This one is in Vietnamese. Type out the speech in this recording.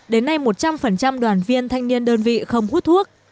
đến nay một trăm linh đoàn viên thanh niên đơn vị không hút thuốc